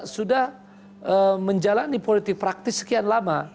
sudah menjalani politik praktis sekian lama